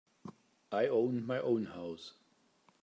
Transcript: I own my own house.